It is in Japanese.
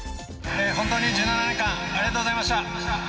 本当に１７年間、ありがとうございました。